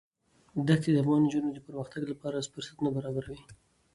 دښتې د افغان نجونو د پرمختګ لپاره فرصتونه برابروي.